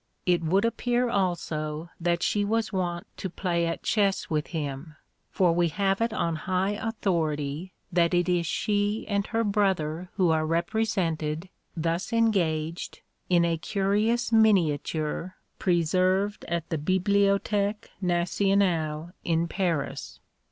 It would appear also that she was wont to play at chess with him; for we have it on high authority that it is she and her brother who are represented, thus engaged, in a curious miniature preserved at the Bibliothèque Nationale in Paris.